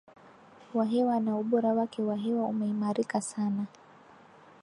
wa hewa na ubora wake wa hewa umeimarika sana